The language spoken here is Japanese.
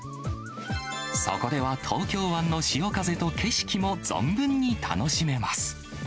そこでは東京湾の潮風と景色も存分に楽しめます。